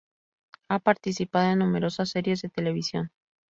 Ha participado en numerosas series de televisión.